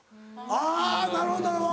あぁなるほどなるほど。